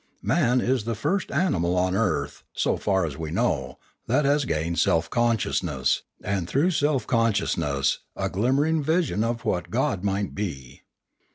Man is the first animal on earth, so far as we know, that has gained self consciousness, and, through self consciousness, a glimmering vision of what God might be.